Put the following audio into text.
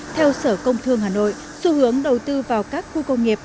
theo sở công thương hà nội xu hướng đầu tư vào các khu công nghiệp